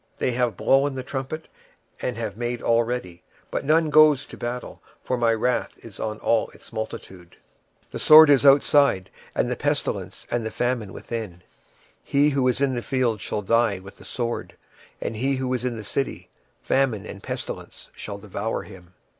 26:007:014 They have blown the trumpet, even to make all ready; but none goeth to the battle: for my wrath is upon all the multitude thereof. 26:007:015 The sword is without, and the pestilence and the famine within: he that is in the field shall die with the sword; and he that is in the city, famine and pestilence shall devour him.